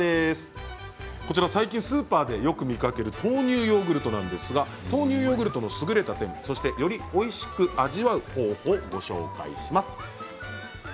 こちら最近スーパーでよく見かける豆乳ヨーグルトなんですがこの優れた点やよりおいしく味わう方法をご紹介します。